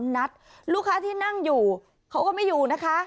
นัดลูกค้าที่นั่งอยู่เขาก็ไม่อยู่นะคะ